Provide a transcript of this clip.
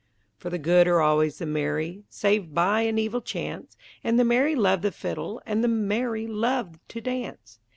For the good are always the merry, Save by an evil chance, And the merry love the fiddle, And the merry love to dance.